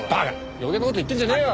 余計な事言ってんじゃねえよ！